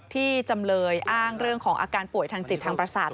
จำเลยอ้างเรื่องของอาการป่วยทางจิตทางประสาท